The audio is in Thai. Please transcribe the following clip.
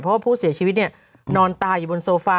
เพราะว่าผู้เสียชีวิตนอนตายอยู่บนโซฟา